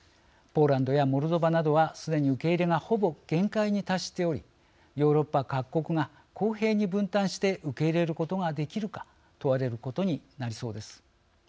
ポーランドやモルドバなどはすでに受け入れがほぼ限界に達しておりヨーロッパ各国が公平に分担して受け入れることができるか問われることになりそうです。